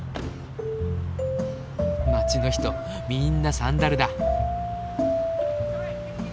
街の人みんなサンダルだ。